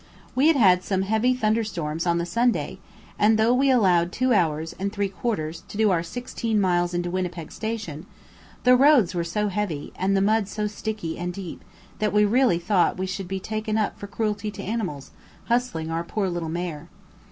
We had had some heavy thunder storms on the Sunday; and though we allowed two hours and three quarters, to do our sixteen miles into Winnipeg station, the roads were so heavy, and the mud so sticky and deep, that we really thought we should be taken up for cruelty to animals, hustling our poor little mare.